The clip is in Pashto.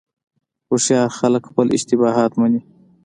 هوښیار خلک خپل اشتباهات مني.